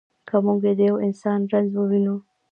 که موږ د یوه انسان رنځ ووینو.